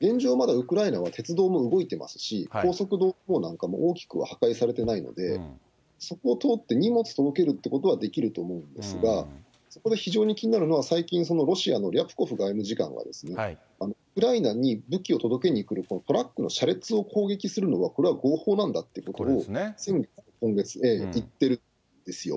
現状、まだウクライナは鉄道も動いていますし、高速道路なんかも大きく破壊されてないので、そこを通って、荷物を届けるということはできると思うんですが、そこで非常に気になるのは最近、ロシアのリャクコフ外務次官は、ウクライナに武器を届けに行くトラックの車列を攻撃するのは、これは合法なんだということを、先月、今月、言ってるんですよ。